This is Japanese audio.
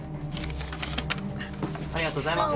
ありがとうございます。